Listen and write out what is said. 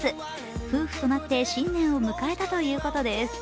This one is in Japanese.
夫婦となって新年を迎えたということです。